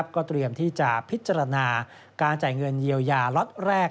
ก็เตรียมที่จะพิจารณาการจ่ายเงินเยียวยาล็อตแรก